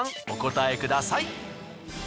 お答えください。